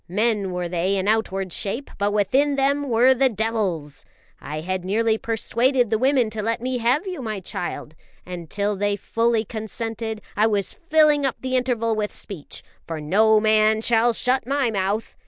Men were they in outward shape, but within them were the devils. I had nearly persuaded the women to let me have you, my child; and till they fully consented, I was filling up the interval with speech, for no man shall shut my mouth.